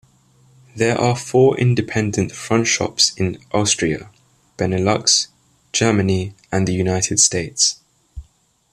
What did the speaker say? There are four independent FontShops in Austria, Benelux, Germany, and the United States.